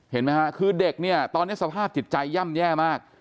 เห็นไหมฮะคือเด็กเนี่ยตอนนี้สภาพจิตใจย่ำแย่มาก